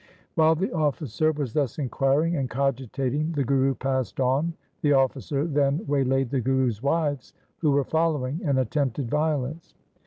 While the officer was thus inquiring and cogitating the Guru passed on. The officer then waylaid the Guru's wives who were following, and attempted violence.